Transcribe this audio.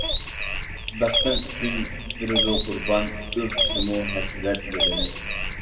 بەختىڭ ئۈچۈن بېرىدۇ قۇربان، ئۆرتىسىمۇ ھەسرەت دىلىنى.